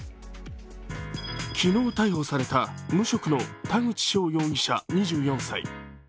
昨日逮捕された無職の田口翔容疑者２４歳。